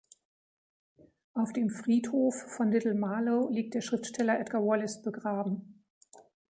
Auf dem Friedhof von Little Marlow liegt der Schriftsteller Edgar Wallace begraben.